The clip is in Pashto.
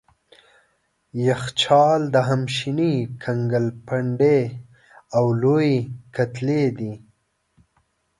یخچال د همیشني کنګل پنډې او لويې کتلې دي.